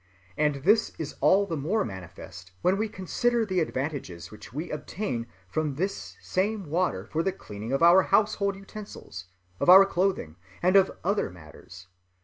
And this is all the more manifest when we consider the advantages which we obtain from this same water for the cleaning of our household utensils, of our clothing, and of other matters....